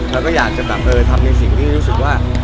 เราก็อยากจะแบบทำในสิ่งที่รู้สึกว่า